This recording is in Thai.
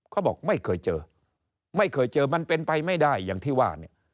เขาบอกไม่เคยเจอไม่เคยเจอมันเป็นไปไม่ได้อย่างที่ว่าเนี่ย